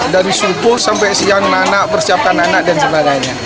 dari suku sampai siang nana persiapkan anak dan sebagainya